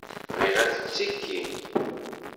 Bɣiɣ ad tettekkim.